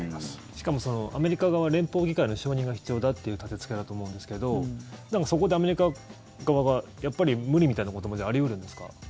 しかも、アメリカ側は連邦議会の承認が必要だという建付けだと思うんですけどでも、そこでアメリカ側がやっぱり無理みたいなこともあり得るんですか？